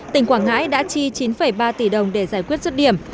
tỉnh quảng ngãi đã chi chín ba tỷ đồng để giải quyết rứt điểm